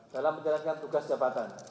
dalam menjalankan tugas jabatan